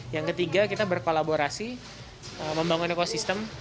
yang ketiga kita berkolaborasi membangun ekosistem